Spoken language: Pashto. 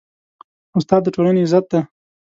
استاد د ټولنې عزت دی.